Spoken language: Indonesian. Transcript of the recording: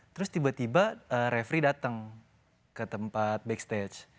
terus tiba tiba refri datang ke tempat backstage